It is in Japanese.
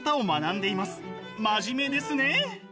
真面目ですね！